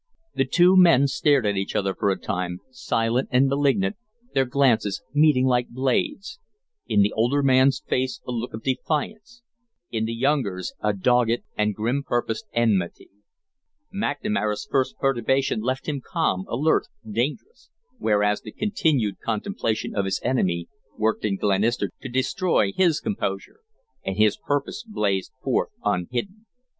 The two men stared at each other for a time, silent and malignant, their glances meeting like blades; in the older man's face a look of defiance, in the younger's a dogged and grim purposed enmity. McNamara's first perturbation left him calm, alert, dangerous; whereas the continued contemplation of his enemy worked in Glenister to destroy his composure, and his purpose blazed forth unhidden.